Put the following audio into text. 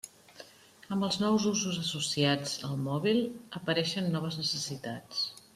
Amb els nous usos associats al mòbil, apareixen noves necessitats.